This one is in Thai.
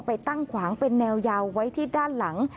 ไปตั้งขวางเป็นแนวยาวไว้ที่ด้านหลัง